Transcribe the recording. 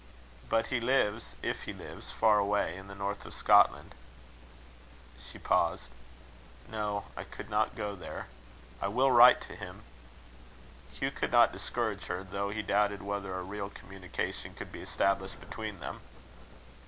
But he lives, if he lives, far away in the north of Scotland." She paused. "No. I could not go there. I will write to him." Hugh could not discourage her, though he doubted whether a real communication could be established between them.